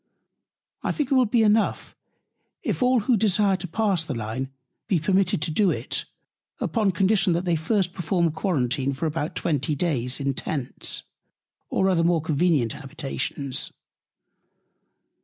I think it will be enough, if all, who desire to pass the Line, be permitted to do it, upon Condition they first perform Quarantine for about 20 Days in Tents, or other more convenient Habitations.